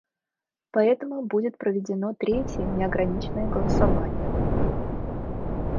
Поэтому будет проведено третье неограниченное голосование.